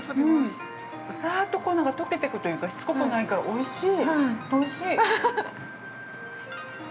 さっと溶けていくというか、しつこくないからおいしい。